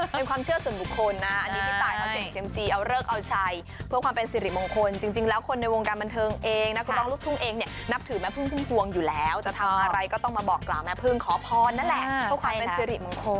เป็นความเชื่อส่วนบุคคลนะอันนี้พี่ตายเขาเสี่ยงเซียมซีเอาเลิกเอาชัยเพื่อความเป็นสิริมงคลจริงแล้วคนในวงการบันเทิงเองนักร้องลูกทุ่งเองเนี่ยนับถือแม่พึ่งพุ่มพวงอยู่แล้วจะทำอะไรก็ต้องมาบอกกล่าวแม่พึ่งขอพรนั่นแหละเพื่อความเป็นสิริมงคล